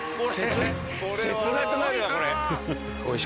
切なくなるわこれ。